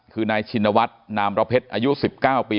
คือนายชินวัฒน์นามระเพชรอายุ๑๙ปี